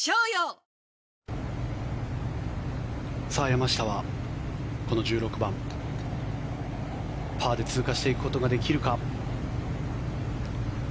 山下はこの１６番パーで通過していくことができるか。